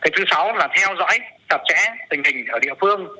thứ sáu là theo dõi tập trẻ tình hình ở địa phương